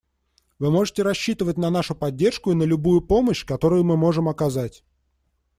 Вы можете рассчитывать на нашу поддержку и на любую помощь, которую мы можем оказать.